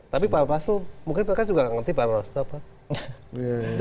tapi pak mas luman mungkin mereka juga tidak mengerti pak mas luman